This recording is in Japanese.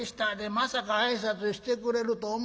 まさか挨拶してくれると思えへんがな。